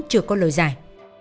chưa có lời giải